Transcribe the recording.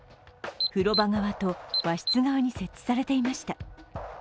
風呂場側と和室側に設置されていました。